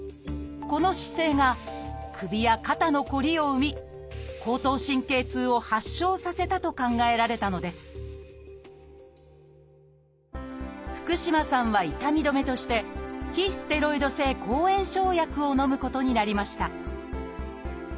この姿勢が首や肩のコリを生み後頭神経痛を発症させたと考えられたのです福嶋さんは痛み止めとして非ステロイド性抗炎症薬をのむことになりました